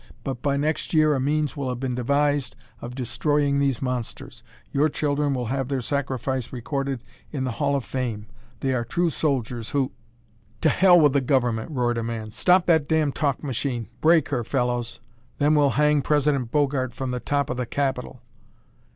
But by next year a means will have been devised of destroying these monsters. Your children will have their sacrifice recorded in the Hall of Fame. They are true soldiers who " "To hell with the Government!" roared a man. "Stop that damn talk machine! Break her, fellows! Then we'll hang President Bogart from the top of the Capitol!"